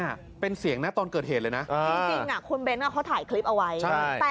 ไม่รู้จริงอ่ะค่ะเขาทำอะไร